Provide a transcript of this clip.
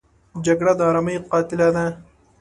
جګړه د آرامۍ قاتله ده